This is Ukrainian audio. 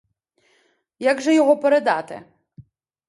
Як же його передати?